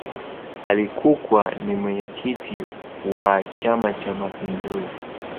Alikukwa ni mwenyekiki wa chama cha mapinguzi